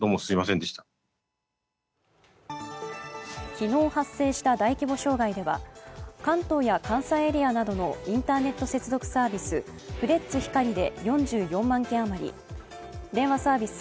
昨日発生した大規模障害では関東や関西エリアなどのインターネット接続サービスフレッツ光で４４万件あまり、電話サービス